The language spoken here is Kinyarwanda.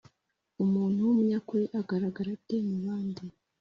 Umuntu w umunyakuri agaragara ate mu bandi